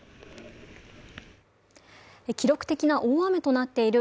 記録的な大雨となっている